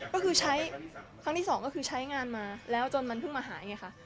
ก็คือใช้ครั้งที่สองก็คือใช้งานมาแล้วจนมันเพิ่งมาหายไงค่ะ